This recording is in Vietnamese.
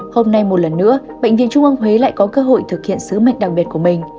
hôm nay một lần nữa bệnh viện trung ương huế lại có cơ hội thực hiện sứ mệnh đặc biệt của mình